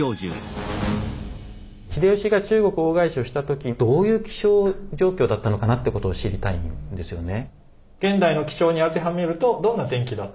秀吉が中国大返しをした時どういう気象状況だったのかなってことを知りたいんですよね。